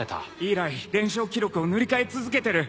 以来連勝記録を塗り替え続けてる。